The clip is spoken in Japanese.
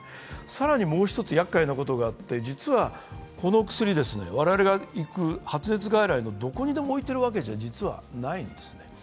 更にもう１つやっかいなことがあって、実はこの薬、我々が行く発熱外来のどこにでも置いてあるわけではないんです。